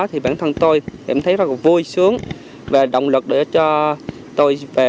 thì bản thân tôi cảm thấy rất là vui sướng về động lực để cho tôi về